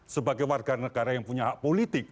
sebagai warga negara yang punya hak politik